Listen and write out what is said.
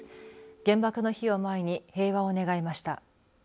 原爆の日を前に平和を願いました。